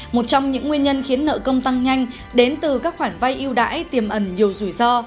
một trong những nguyên nhân khiến nợ công tăng nhanh đến từ các khoản vay yêu đãi tiềm ẩn nhiều rủi ro